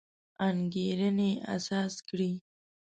انګېرنې اساس کړی.